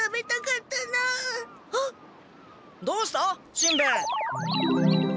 しんべヱ？